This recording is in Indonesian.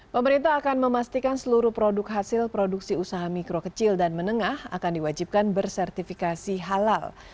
pemerintah akan memastikan seluruh produk hasil produksi usaha mikro kecil dan menengah akan diwajibkan bersertifikasi halal